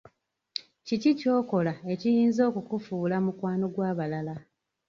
Kiki kyokola ekiyinza okukufuula mukwano gw'abalala?